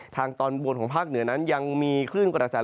ทางตอนบนของภาคเหนือนั้นยังมีคลื่นกระแส